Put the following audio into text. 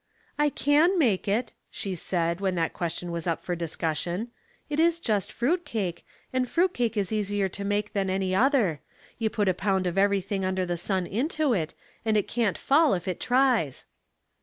" I can make it," she said, when that question was up for discussion. " It is just fruit cake, and fruit cake is easier to make than any other. You put a pound of everything under the sun into it, and it can't fall if it tries."